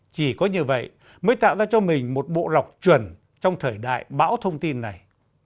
chỉ có như vậy mới tạo ra cho mình một bộ lọc chuẩn trong thời đại bão thông tin này